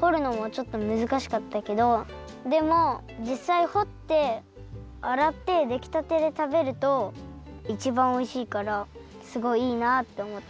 ほるのもちょっとむずかしかったけどでもじっさいほってあらってできたてでたべるといちばんおいしいからすごいいいなとおもった。